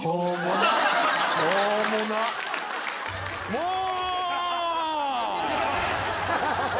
もう！